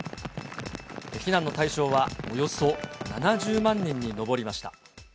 避難の対象はおよそ７０万人に上りました。